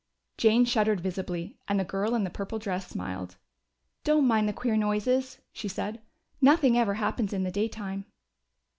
Jane shuddered visibly, and the girl in the purple dress smiled. "Don't mind the queer noises," she said. "Nothing ever happens in daytime."